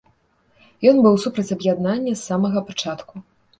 Ён быў супраць аб'яднання з самага пачатку.